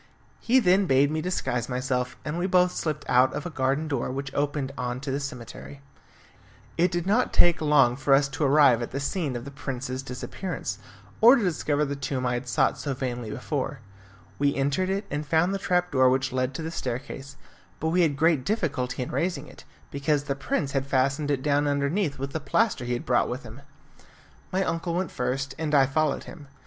He then bade me disguise myself, and we both slipped out of a garden door which opened on to the cemetery. It did not take long for us to arrive at the scene of the prince's disappearance, or to discover the tomb I had sought so vainly before. We entered it, and found the trap door which led to the staircase, but we had great difficulty in raising it, because the prince had fastened it down underneath with the plaster he had brought with him. My uncle went first, and I followed him.